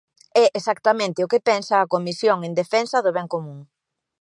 É exactamente o que pensa a Comisión en Defensa do Ben Común.